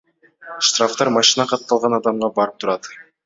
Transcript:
Штрафтар машина катталган адамга барып турат.